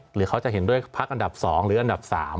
หรือเขาจะเห็นด้วยพักอันดับ๒หรืออันดับ๓